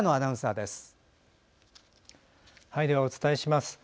では、お伝えします。